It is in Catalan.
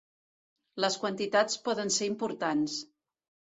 Les quantitats poden ser importants.